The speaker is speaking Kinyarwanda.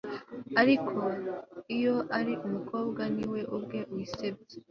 ariko iyo ari umukobwa ni we ubwe wisebya